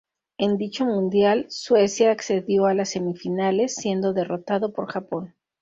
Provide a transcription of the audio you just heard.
En dicho mundial Suecia accedió a las semifinales, siendo derrotado por Japón.